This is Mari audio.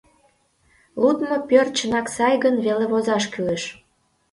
Лудмо пӧрт чынак сай гын веле возаш кӱлеш.